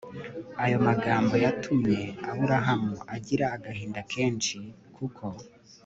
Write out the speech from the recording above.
Ayo magambo yatumye Aburahamu agira agahinda kenshi kuko